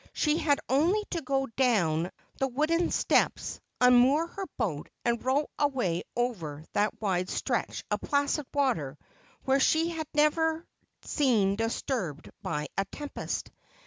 She had only to go down the wooden steps, unmoor her boat, and row away over that wide stretch of placid water which she had never seen disturbed by a tempest.